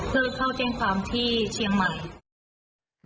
เพื่อเข้าแจ้งความที่เชียงใหม่